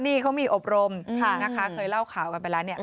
นี่เขามีอบรมนะคะเคยเล่าข่าวกันไปแล้วเนี่ย